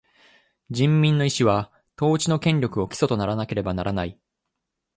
人民の意思は、統治の権力を基礎とならなければならない。